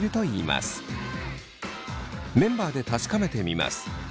メンバーで確かめてみます。